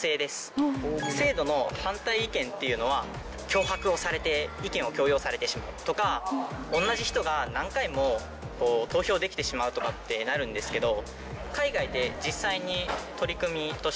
脅迫をされて意見を強要されてしまうとか同じ人が何回も投票できてしまうとかってなるんですけど。